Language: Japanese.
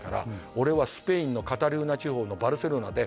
「俺はスペインのカタルーニャ地方のバルセロナで」